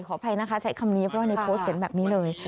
อภัยนะคะใช้คำนี้เพราะว่าในโพสต์เห็นแบบนี้เลย